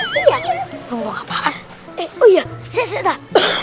kalau ke depan eh ya saya sudah